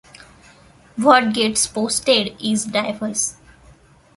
What gets posted is diverse.